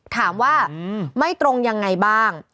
ถามว่าไม่ตรงยังไงบ้าง